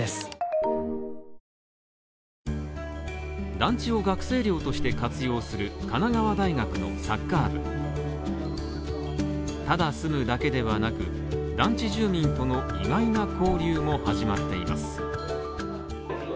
団地を学生寮として活用する神奈川大学のサッカー部ただ住むだけではなく、団地住民との意外な交流も始まっています